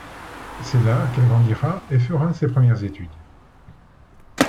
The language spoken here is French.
C'est là qu'elle grandira et fera ses premières études.